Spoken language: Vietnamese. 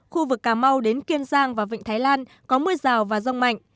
khu vực cảm mau đến kiên giang và vịnh thái lan có mưa rào và rong mạnh